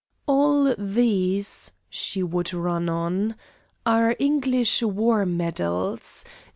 "All these," she would run on, "are English war medals.